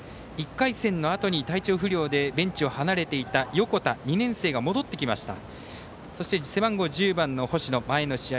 １回戦のあとに体調不良でベンチを離れていた横田、２年生が戻ってきました。